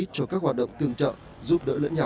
cho các hoạt động tương trợ giúp đỡ lẫn nhau